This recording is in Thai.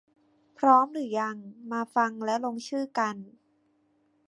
พร้อมหรือยัง ! มาฟังและลงชื่อกัน